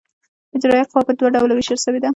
اجرائیه قوه پر دوه ډوله وېشل سوې ده.